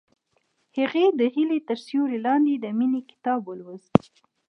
هغې د هیلې تر سیوري لاندې د مینې کتاب ولوست.